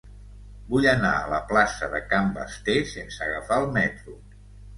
Vull anar a la plaça de Can Basté sense agafar el metro.